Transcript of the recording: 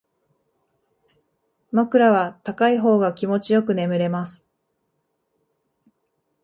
枕は高い方が気持ちよく眠れます